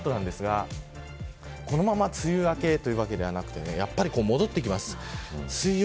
そのあとですがこのまま梅雨明けというわけではなくてやっぱり戻ってきます。